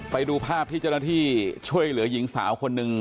ไปดูภาพที่เจ้าหน้าที่ช่วยเหลือหญิงสาวคนหนึ่ง